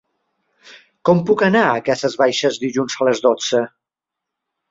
Com puc anar a Cases Baixes dilluns a les dotze?